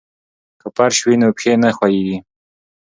که فرش وي نو پښې نه ښویېږي.